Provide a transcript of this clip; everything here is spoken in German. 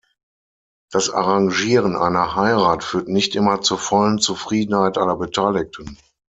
Das Arrangieren einer Heirat führt nicht immer zur vollen Zufriedenheit aller Beteiligten.